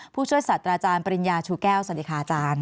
ผู้ช่วยสัตว์อาจารย์ปริญญาชูแก้วสวัสดีค่ะอาจารย์